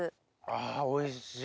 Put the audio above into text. あおいしい。